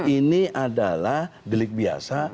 ini adalah delik biasa